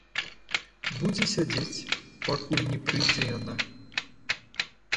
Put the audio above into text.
Будзе сядзець, пакуль не прыйдзе яна.